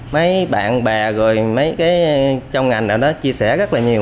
mấy bạn bè rồi mấy cái trong ngành nào đó chia sẻ rất là nhiều